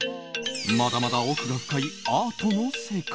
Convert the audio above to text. まだまだ奥が深いアートの世界。